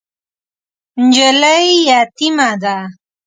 نجلۍ یتیمه ده .